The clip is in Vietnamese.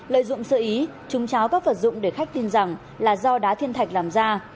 lợi dụng sơ ý chúng cháo các vật dụng để khách tin rằng là do đá thiên thạch làm ra